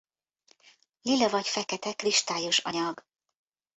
Lila vagy fekete kristályos anyag.